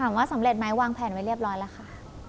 สำเร็จไหมวางแผนไว้เรียบร้อยแล้วค่ะ